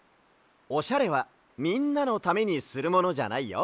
オシャレはみんなのためにするものじゃないよ。